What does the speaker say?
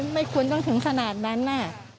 ไม่ควรต้องถึงขนาดนั้น